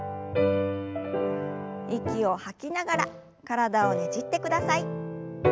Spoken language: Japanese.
息を吐きながら体をねじってください。